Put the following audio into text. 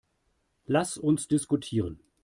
Lass uns diskutieren.